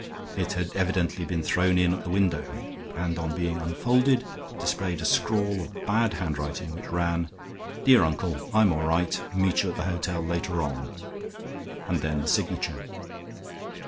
It had evidently been thrown in at the window, and on being unfolded displayed a scrawl of bad handwriting which ran: "Dear Uncle; I am all right. Meet you at the hotel later on," and then the signature.